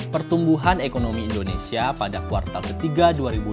pertumbuhan ekonomi indonesia pada kuartal ketiga dua ribu dua puluh